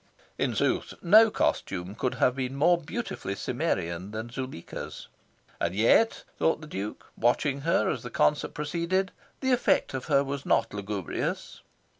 In sooth, no costume could have been more beautifully Cimmerian than Zuleika's. And yet, thought the Duke, watching her as the concert proceeded, the effect of her was not lugubrious.